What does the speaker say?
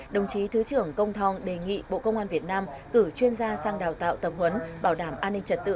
đồng chí thứ trưởng công thong đề nghị bộ công an việt nam cử chuyên gia sang đào tạo tập huấn bảo đảm an ninh trật tự